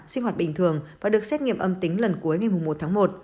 sinh hoạt bình thường và được xét nghiệm âm tính lần cuối ngày một tháng một